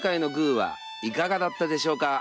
話いかがだったでしょうか。